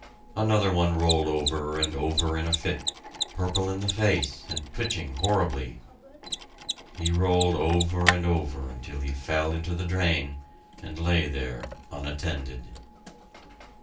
Another one rolled over and over in a fit, purple in the face, and twitching horribly. He rolled over and over until he fell into the drain, and lay there, unattended.